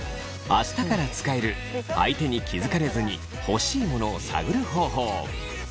明日から使える相手に気づかれずに欲しい物を探る方法。